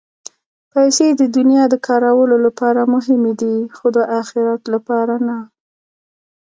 پېسې د دنیا د کارونو لپاره مهمې دي، خو د اخرت لپاره نه.